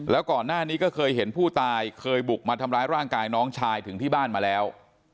แล้วก่อนหน้านี้ก็เคยเห็นผู้ตายเคยบุกมาทำร้ายร่างกายน้องชายถึงที่บ้านมาแล้ว